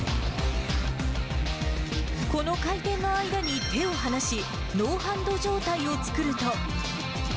この回転の間に手を放し、ノーハンド状態を作ると。